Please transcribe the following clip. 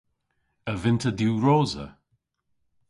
A vynn'ta diwrosa?